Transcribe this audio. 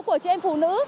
của chị em phụ nữ